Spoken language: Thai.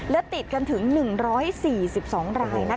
และติดกันถึง๑๔๒ราย